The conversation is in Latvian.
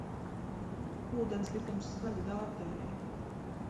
Ūdenskritums skaļi dārdēja